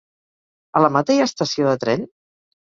A la Mata hi ha estació de tren?